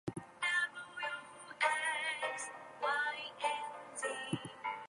Where it was composed is not known.